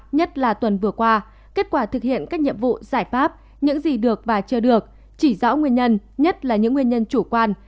nhất là tuần vừa qua kết quả thực hiện các nhiệm vụ giải pháp những gì được và chưa được chỉ rõ nguyên nhân nhất là những nguyên nhân chủ quan